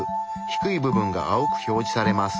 低い部分が青く表示されます。